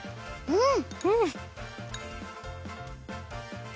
うん。